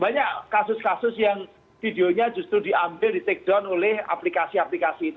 banyak kasus kasus yang videonya justru diambil di take down oleh aplikasi aplikasi itu